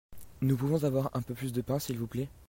Nous pouvons avoir un peu plus de pain s'il vous plait ?